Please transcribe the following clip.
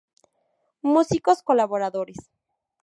Músicos colaboradores